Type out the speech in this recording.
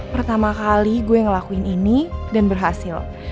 pertama kali gue ngelakuin ini dan berhasil